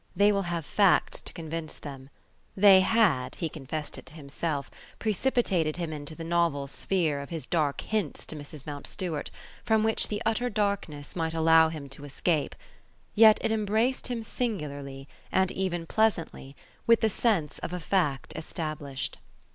They will have facts to convince them: they had, he confessed it to himself, precipitated him into the novel sphere of his dark hints to Mrs. Mountstuart; from which the utter darkness might allow him to escape, yet it embraced him singularly, and even pleasantly, with the sense of a fact established.